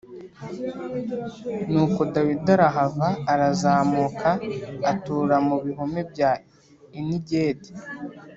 Nuko Dawidi arahava, arazamuka atura mu bihome bya Enigedi.